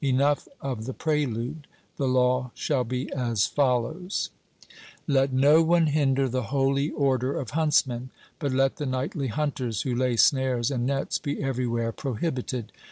Enough of the prelude: the law shall be as follows: Let no one hinder the holy order of huntsmen; but let the nightly hunters who lay snares and nets be everywhere prohibited.